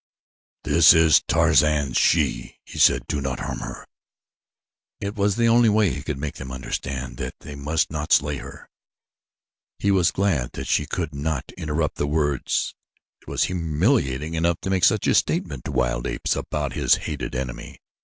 "This is Tarzan's she," he said. "Do not harm her." It was the only way he could make them understand that they must not slay her. He was glad that she could not interpret the words. It was humiliating enough to make such a statement to wild apes about this hated enemy.